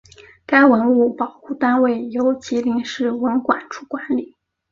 该文物保护单位由吉林市文管处管理。